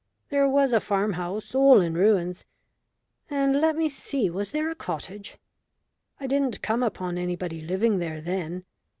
There was a farm house all in ruins and, let me see, was there a cottage? I didn't come upon anybody living there then.